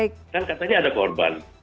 kan katanya ada korban